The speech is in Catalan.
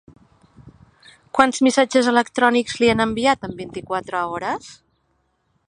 Quants missatges electrònics li han enviat en vint-i-quatre hores?